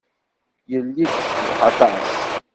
Yelli-k tecbeḥ aṭas.